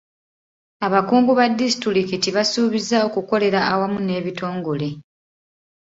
Abakungu ba disitulikiti baasuubiza okukolera awamu n'ebitongole.